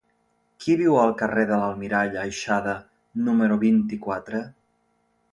Qui viu al carrer de l'Almirall Aixada número vint-i-quatre?